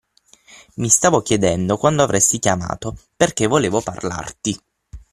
Mi stavo chiedendo quando avresti chiamato perché volevo parlarti.